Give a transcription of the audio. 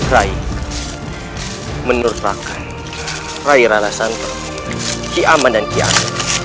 rai menurut rakan rai rala santam ki aman dan ki anu